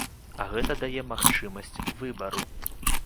А гэта дае магчымасць выбару.